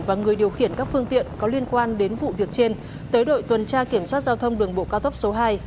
và người điều khiển các phương tiện có liên quan đến vụ việc trên tới đội tuần tra kiểm soát giao thông đường bộ cao tốc số hai